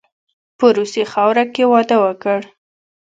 په روسي خاوره کې واده وکړ.